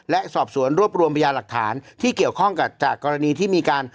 และสอบสวนรวบรวมพยาหลักฐานที่เกี่ยวข้องกับจากกรณีที่มีการ